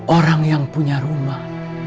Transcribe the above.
orang yang punya rumah